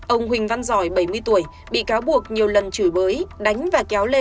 ông huỳnh văn giỏi bảy mươi tuổi bị cáo buộc nhiều lần chửi bới đánh và kéo lê